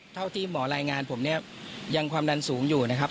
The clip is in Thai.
เท่าที่หมอรายงานผมเนี่ยยังความดันสูงอยู่นะครับ